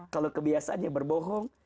kalau kebiasaannya berbohong